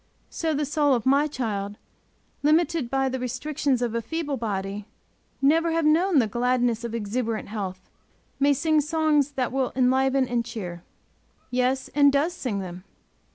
So the soul of my child, limited by the restrictions of a feeble body, never having known the gladness of exuberant health, may sing songs that will enliven and cheer. Yes, and does sing them!